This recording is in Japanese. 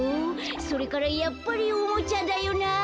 それからやっぱりおもちゃだよな」。